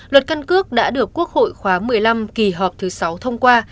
luật căn cước đã được quốc hội khóa một mươi năm kỳ họp thứ sáu thông qua